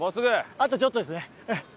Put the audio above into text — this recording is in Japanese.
あとちょっとです。